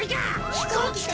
ひこうきか！？